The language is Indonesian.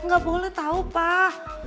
gak boleh tau pak